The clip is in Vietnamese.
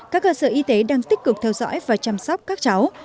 các cơ sở y tế đang tích cực theo dõi và chăm sóc các cháu